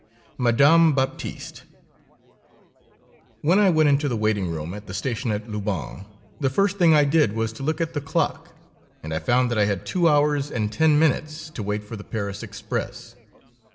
MADAME BAPTISTE When I went into the waiting room at the station at Loubain, the first thing I did was to look at the clock, and I found that I had two hours and ten minutes to wait for the Paris express.